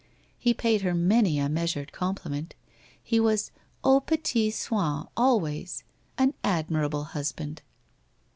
He paid her many a measured compliment. He was aux petits soins al ways — an admirable husband.